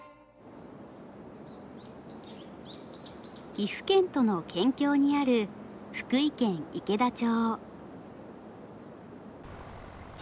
岐阜県との県境にある福井県池田町。